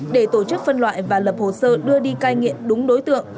để tổ chức phân loại và lập hồ sơ đưa đi cai nghiện đúng đối tượng